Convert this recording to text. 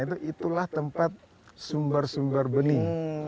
itulah tempat sumber sumber benih